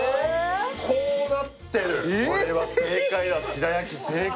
こうなってるこれは正解だ白焼き正解